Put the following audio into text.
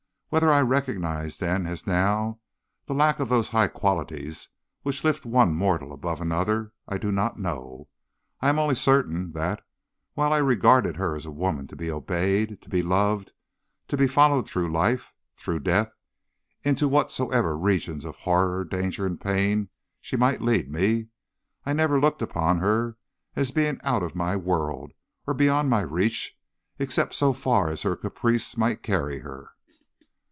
Whether I recognized then, as now, the lack of those high qualities which lift one mortal above another, I do not know. I am only certain that, while I regarded her as a woman to be obeyed, to be loved, to be followed through life, through death, into whatsoever regions of horror, danger, and pain she might lead me, I never looked upon her as a being out of my world or beyond my reach, except so far as her caprice might carry her.